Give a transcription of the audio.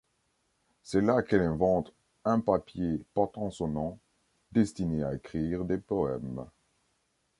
C'est là qu'elle invente un papier portant son nom, destiné à écrire des poèmes.